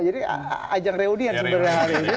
jadi ajang reuni yang sebenarnya hari ini